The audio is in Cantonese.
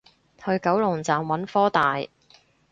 去九龍站揾科大